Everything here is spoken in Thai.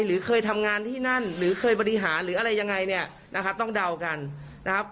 หรือเคยทำงานที่นั่นหรือเคยบริหารหรืออะไรยังไงเนี่ยนะครับต้องเดากันนะครับ